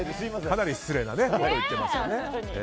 かなり失礼なこと言ってましたね。